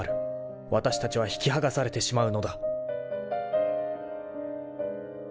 ［わたしたちは引きはがされてしまうのだ］